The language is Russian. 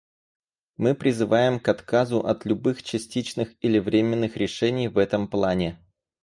Мы призываем к отказу от любых частичных или временных решений в этом плане.